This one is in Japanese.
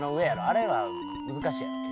あれは難しいやろ結構。